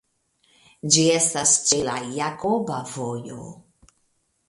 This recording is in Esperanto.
Ĝi estas ĉe la Jakoba Vojo.